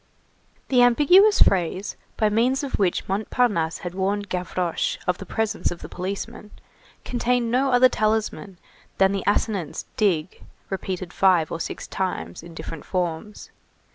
The ambiguous phrase by means of which Montparnasse had warned Gavroche of the presence of the policeman, contained no other talisman than the assonance dig repeated five or six times in different forms.